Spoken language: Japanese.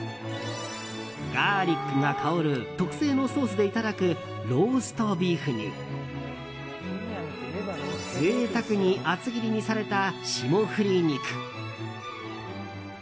ガーリックが香る特製のソースでいただくローストビーフに贅沢に厚切りにされた霜降り肉。